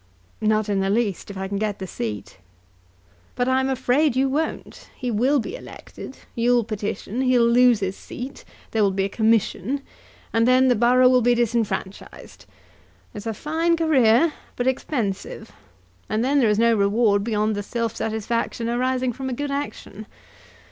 "Not in the least, if I can get the seat." "But I'm afraid you won't. He will be elected. You'll petition. He'll lose his seat. There will be a commission. And then the borough will be disfranchised. It's a fine career, but expensive; and then there is no reward beyond the self satisfaction arising from a good action.